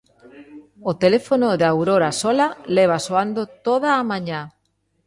O teléfono de Aurora Sola leva soando toda a mañá.